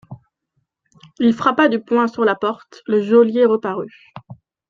Il frappa du poing sur la porte, le geôlier reparut.